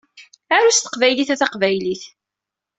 Aru s teqbaylit a taqbaylit!